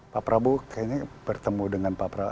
pak prabowo kayaknya bertemu dengan